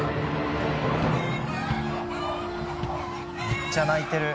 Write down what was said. めっちゃ鳴いてる。